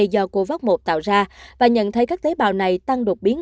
do covax một tạo ra và nhận thấy các tế bào này tăng đột biến